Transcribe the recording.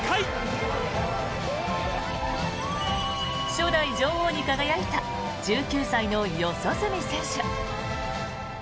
初代女王に輝いた１９歳の四十住選手。